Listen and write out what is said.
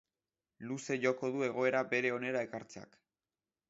Luze joko du egoera bere onera ekartzeak.